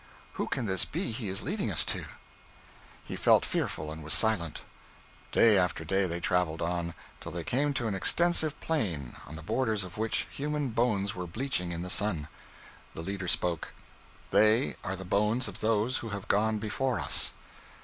who can this be he is leading us to?' He felt fearful and was silent. Day after day they traveled on, till they came to an extensive plain, on the borders of which human bones were bleaching in the sun. The leader spoke: 'They are the bones of those who have gone before us.